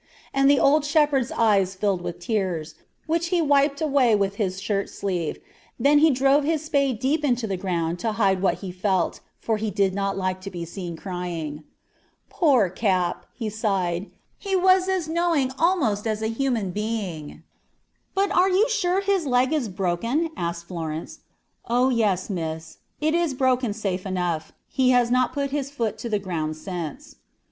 And the old shepherd's eyes filled with tears, which he wiped away with his shirt sleeve; then he drove his spade deep in the ground to hide what he felt, for he did not like to be seen crying. "'Poor Cap!' he sighed; 'he was as knowing almost as a human being.' "'But are you sure his leg is broken?' asked Florence. "'Oh, yes, miss, it is broken safe enough; he has not put his foot to the ground since.'